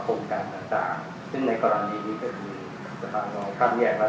ก็ตามนั้นเหนื่อยงานที่รับผิดชอบก็คือทางสรรค์ของประสงค์ธรรมดาโภคนะครับ